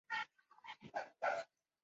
现时效力丹超球队阿晓士。